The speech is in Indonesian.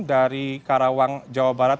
dari karawang jawa barat